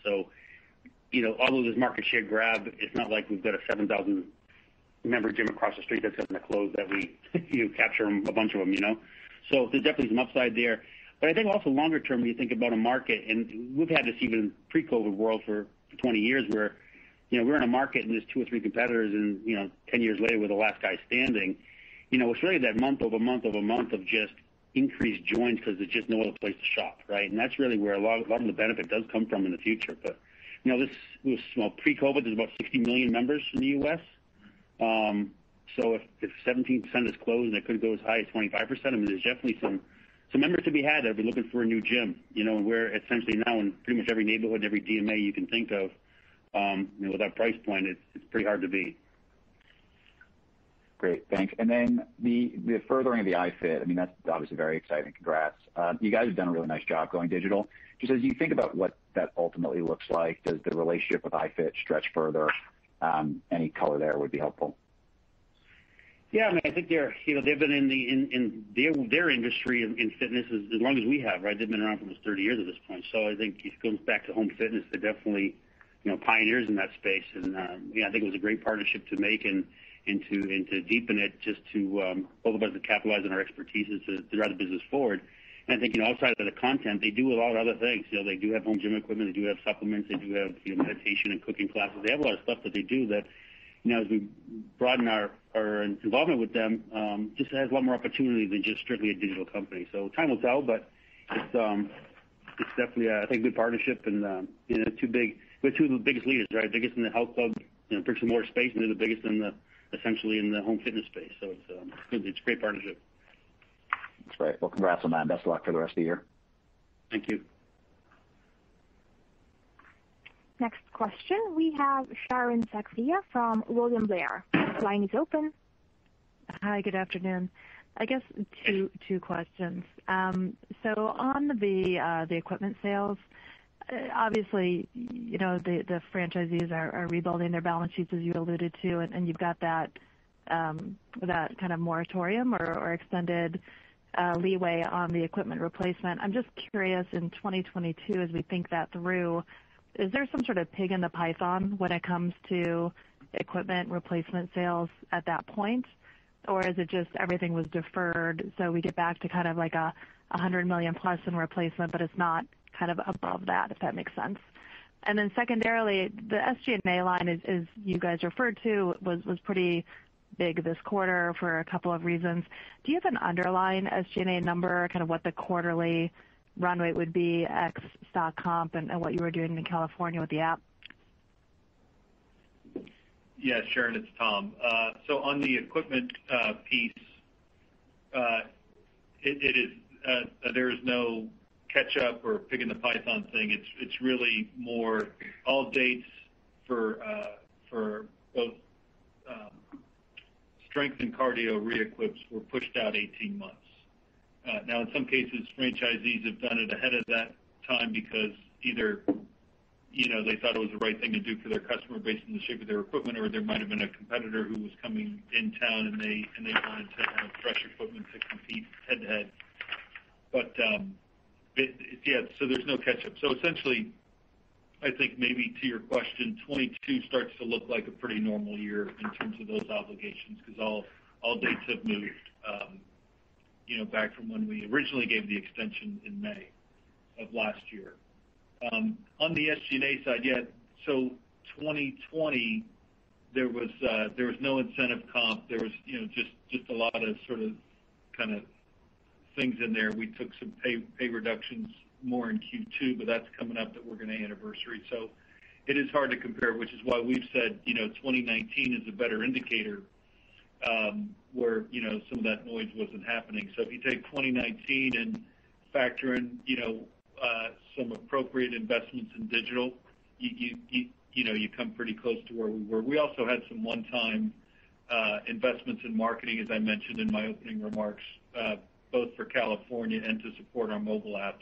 although there's market share grab, it's not like we've got a 7,000-member gym across the street that's going to close that we capture a bunch of them. there's definitely some upside there. I think also longer term, you think about a market, and we've had this even pre-COVID world for 20 years where, we're in a market and there's two or three competitors and, 10 years later, we're the last guy standing. It's really that month over month over month of just increased joins because there's just no other place to shop, right? That's really where a lot of the benefit does come from in the future. Pre-COVID, there's about 60 million members in the U.S, so if 17% is closed, and it could go as high as 25%, there's definitely some members to be had that'll be looking for a new gym. We're essentially now in pretty much every neighborhood and every DMA you can think of. With that price point, it's pretty hard to beat. Great, thanks. Then the furthering of the iFIT, that's obviously very exciting, congrats. You guys have done a really nice job going digital. Just as you think about what that ultimately looks like, does the relationship with iFIT stretch further? Any color there would be helpful. Yeah, they've been in their industry, in fitness, as long as we have, right? They've been around for almost 30 years at this point. I think it comes back to home fitness. They're definitely pioneers in that space and, yeah, I think it was a great partnership to make and to deepen it just to both of us to capitalize on our expertise to drive the business forward. I think outside of the content, they do a lot of other things. They do have home gym equipment. They do have supplements. They do have meditation and cooking classes. They have a lot of stuff that they do that, as we broaden our involvement with them, just has a lot more opportunity than just strictly a digital company. Time will tell, but it's definitely a good partnership and we're two of the biggest leaders, right? The biggest in the health club, bricks and mortar space, and they're the biggest essentially in the home fitness space. It's a great partnership. That's great. Well, congrats on that, and best of luck for the rest of the year. Thank you. Next question, we have Sharon Zackfia from William Blair. Your line is open. Hi, good afternoon. I guess two questions. On the equipment sales, obviously, the franchisees are rebuilding their balance sheets as you alluded to, and you've got that kind of moratorium or extended leeway on the equipment replacement. I'm just curious, in 2022, as we think that through, is there some sort of pig in the python when it comes to equipment replacement sales at that point or is it just everything was deferred, so we get back to kind of like $100 million plus in replacement, but it's not above that, if that makes sense? Secondarily, the SG&A line, as you guys referred to, was pretty big this quarter for a couple of reasons. Do you have an underlying SG&A number, kind of what the quarterly runway would be, ex comp and what you were doing in California with the app? Yeah, Sharon, it's Tom. On the equipment piece, there is no catch-up or pig in the python thing. It's really more all dates for both strength and cardio re-equips were pushed out 18 months. Now, in some cases, franchisees have done it ahead of that time because either they thought it was the right thing to do for their customer based on the shape of their equipment, or there might've been a competitor who was coming in town and they wanted to have fresh equipment to compete head-to-head. Yeah, there's no catch-up, so essentially, I think maybe to your question, 2022 starts to look like a pretty normal year in terms of those obligations because all dates have moved back from when we originally gave the extension in May of last year. On the SG&A side, yeah, 2020, there was no incentive comp. There was just a lot of sort of things in there. We took some pay reductions more in Q2. That's coming up that we're going to anniversary. It is hard to compare, which is why we've said 2019 is a better indicator, where some of that noise wasn't happening. If you take 2019 and factor in some appropriate investments in digital, you come pretty close to where we were. We also had some one-time investments in marketing, as I mentioned in my opening remarks, both for California and to support our mobile app.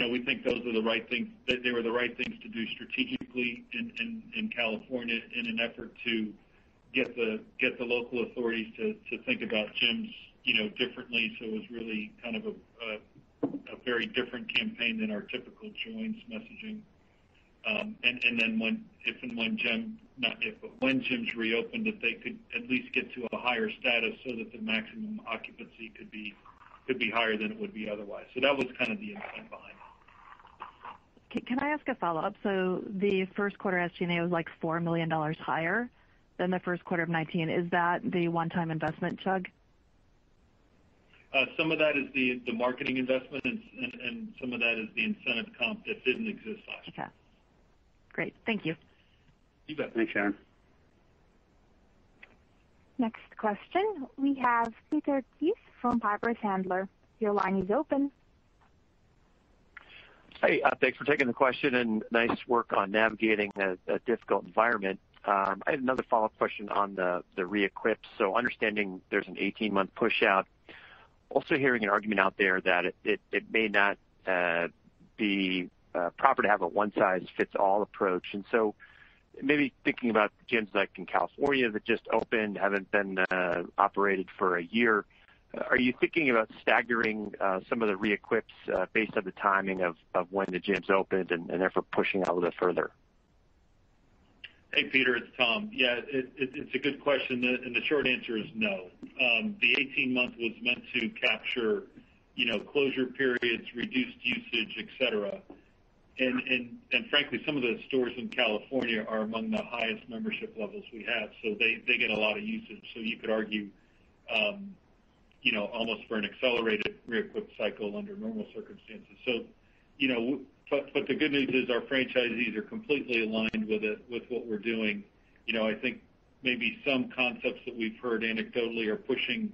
We think they were the right things to do strategically in California in an effort to get the local authorities to think about gyms, you know, differently. It was really kind of a very different campaign than our typical joins messaging. When gyms reopened, that they could at least get to a higher status so that the maximum occupancy could be higher than it would be otherwise. That was kind of the intent behind it. Can I ask a follow-up? The first quarter SG&A was like $4 million higher than the first quarter of 2019. Is that the one-time investment chug? Some of that is the marketing investment and some of that is the incentive comp that didn't exist last year. Okay, great. Thank you. You bet. Thanks, Sharon. Next question, we have Peter Keith from Piper Sandler. Your line is open. Hi, thanks for taking the question, nice work on navigating a difficult environment. I had another follow-up question on the re-equip, so understanding there's an 18-month pushout. Also hearing an argument out there that it may not be proper to have a one-size-fits-all approach, and so maybe thinking about gyms in California that just opened, haven't been operated for a year, are you thinking about staggering some of the re-equips based on the timing of when the gyms opened and therefore pushing it out a little further? Hey, Peter. It's Tom. Yeah, it's a good question, and the short answer is no. The 18 months was meant to capture, you know, closure periods, reduced usage, et cetera. Frankly, some of the stores in California are among the highest membership levels we have, so they get a lot of usage. You could argue, you know, almost for an accelerated re-equip cycle under normal circumstances. The good news is our franchisees are completely aligned with what we're doing. I think maybe some concepts that we've heard anecdotally are pushing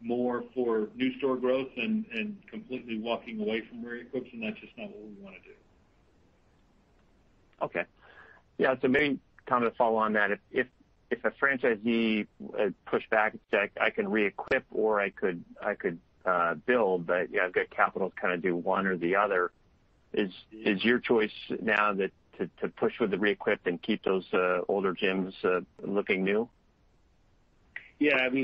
more for new store growth and completely walking away from re-equips, and that's just not what we want to do. Okay. Yeah. Maybe, Tom, to follow on that, if a franchisee pushed back and said, "I can re-equip, or I could build, but I've got capital to kind of do one or the other," is your choice now to push with the re-equip and keep those older gyms looking new? Yeah, you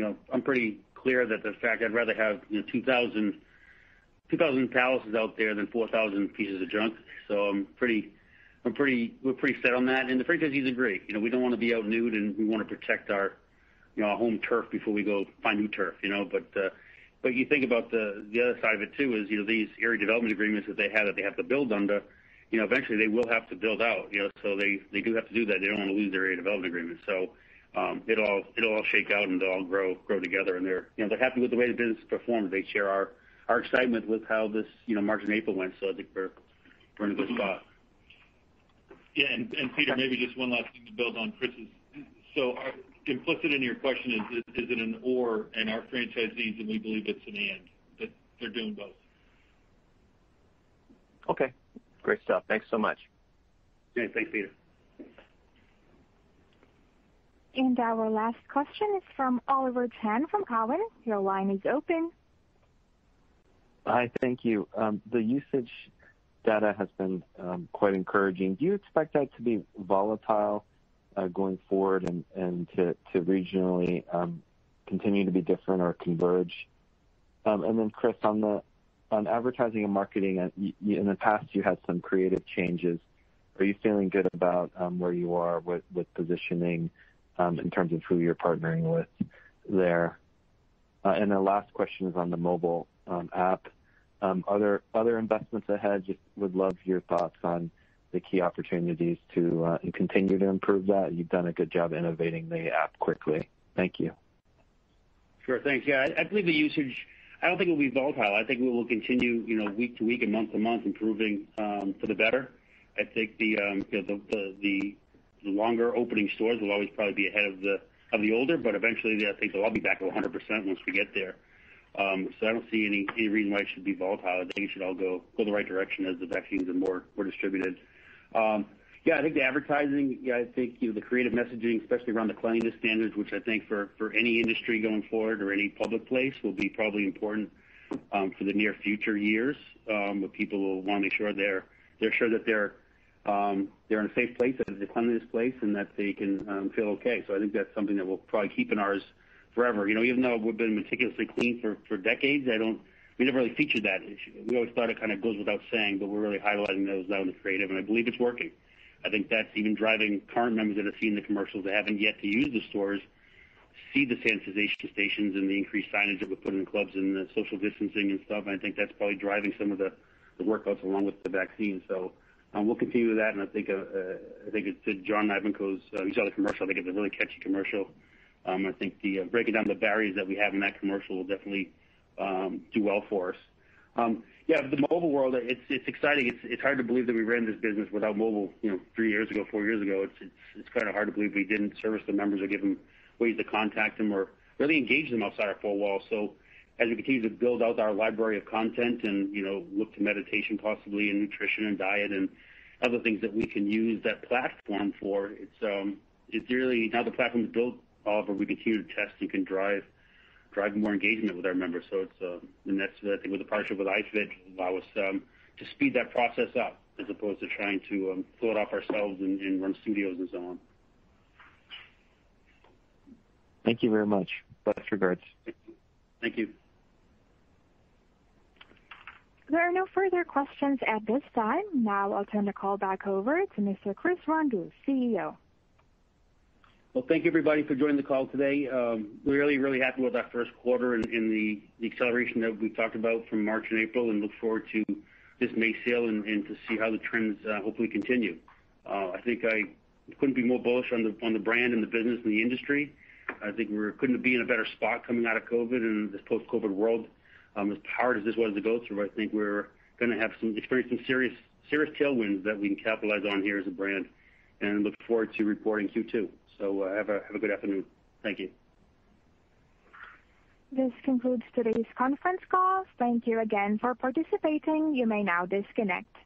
know, I'm pretty clear that the fact I'd rather have 2,000 palaces out there than 4,000 pieces of junk. We're pretty set on that and the franchisees agree. We don't want to be out-newed, and we want to protect our home turf before we go find new turf. You think about the other side of it, too, is these area development agreements that they have that they have to build under, eventually they will have to build out. They do have to do that. They don't want to lose their area development agreement. It'll all shake out, and they'll all grow together, and they're happy with the way the business has performed. They share our excitement with how this March and April went. I think we're in a good spot. Yeah, Peter, and maybe just one last thing to build on Chris's. Implicit in your question is it an or in our franchisees, and we believe it's an and, but they're doing both. Okay, great stuff. Thanks so much. Yeah, thanks, Peter. Our last question is from Oliver Chen from Cowen. Your line is open. Hi, thank you. The usage data has been quite encouraging. Do you expect that to be volatile going forward and to regionally continue to be different or converge? Chris, on advertising and marketing, in the past, you had some creative changes. Are you feeling good about where you are with positioning in terms of who you're partnering with there? The last question is on the mobile app. Other investments ahead, just would love your thoughts on the key opportunities to continue to improve that. You've done a good job innovating the app quickly. Thank you. Sure, thanks. Yeah, I believe the usage, I don't think it will be volatile. I think we will continue week to week and month to month improving for the better. I think the longer opening stores will always probably be ahead of the older, but eventually, I think they'll all be back to 100% once we get there. I don't see any reason why it should be volatile. They should all go the right direction as the vaccines are more distributed. Yeah, I think the advertising, yeah, I think, you know, the creative messaging, especially around the cleanliness standards, which I think for any industry going forward or any public place, will be probably important for the near future years where people will want to make sure they're sure that they're in a safe place, that it's a cleanliness place, and that they can feel okay. I think that's something that we'll probably keep in ours forever. Even though we've been meticulously clean for decades, we never really featured that. We always thought it kind of goes without saying, but we're really highlighting that now in the creative, and I believe it's working. I think that's even driving current members that are seeing the commercials that haven't yet used the stores, see the sanitization stations, and the increased signage that we put in the clubs and the social distancing and stuff, and I think that's probably driving some of the workouts along with the vaccine. We'll continue with that, and I think it's John Ivankoe, you saw the commercial, I think it's a really catchy commercial. I think the breaking down the barriers that we have in that commercial will definitely do well for us. Yeah, the mobile world, it's exciting. It's hard to believe that we ran this business without mobile three years ago, four years ago. It's kind of hard to believe we didn't service the members or give them ways to contact them or really engage them outside our four walls. As we continue to build out our library of content and look to meditation possibly and nutrition and diet and other things that we can use that platform for, it's really now the platform is built off where we continue to test and can drive more engagement with our members. I think with the partnership with iFIT will allow us to speed that process up as opposed to trying to build off ourselves and run studios and so on. Thank you very much. Best regards. Thank you. There are no further questions at this time. Now I'll turn the call back over to Mr. Chris Rondeau, CEO. Well, thank you everybody for joining the call today. Really, really happy with that first quarter and the acceleration that we talked about from March and April and look forward to this May sale and to see how the trends hopefully continue. I think I couldn't be more bullish on the brand and the business and the industry. I think we couldn't be in a better spot coming out of COVID, in this post-COVID world. As hard as this was to go through, I think we're going to experience some serious tailwinds that we can capitalize on here as a brand and look forward to reporting Q2, so have a good afternoon. Thank you. This concludes today's conference call. Thank you again for participating. You may now disconnect.